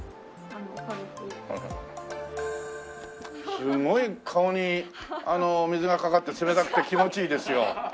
すごい顔に水がかかって冷たくて気持ちいいですよ。